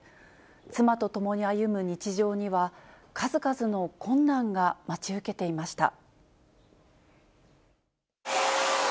妻と共に歩む日常には、数々の困難が待ち受けていました。